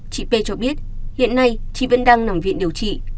chị p cho biết hiện nay chị vẫn đang nằm viện điều trị